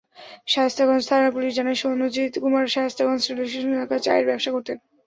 শায়েস্তাগঞ্জ থানার পুলিশ জানায়, সনজিৎ কুমার শায়েস্তাগঞ্জ রেলস্টেশন এলাকায় চায়ের ব্যবসা করতেন।